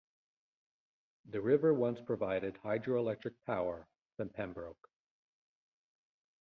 The river once provided hydroelectric power for Pembroke.